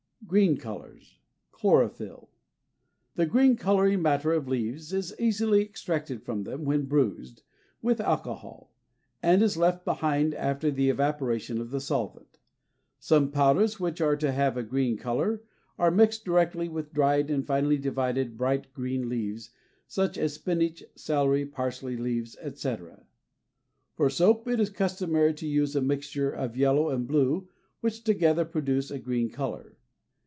GREEN COLORS. Chlorophyll. The green coloring matter of leaves is easily extracted from them, when bruised, with alcohol, and is left behind after the evaporation of the solvent. Some powders which are to have a green color are mixed directly with dried and finely divided bright green leaves such as spinach, celery, parsley leaves, etc. For soap it is customary to use a mixture of yellow and blue which together produce a green color.